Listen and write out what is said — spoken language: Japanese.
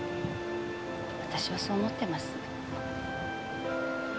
私はそう思ってます。